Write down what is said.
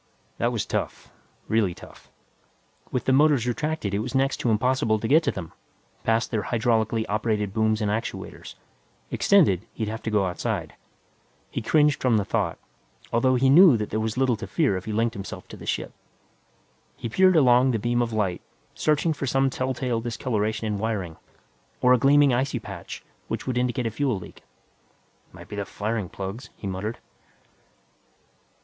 That was tough, really tough. With the motors retracted it was next to impossible to get to them, past their hydraulically operated booms and actuators. Extended, he'd have to go outside. He cringed from the thought, although he knew that there was little to fear if he linked himself to the ship. He peered along the beam of light, searching for some telltale discoloration in wiring, or a gleaming icy patch which would indicate a fuel leak. "Might be the firing plugs," he muttered.